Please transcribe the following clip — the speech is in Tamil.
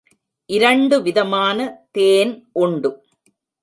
இரண்டுவிதமான தேன் உண்டு.